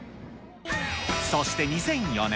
そして２００４年。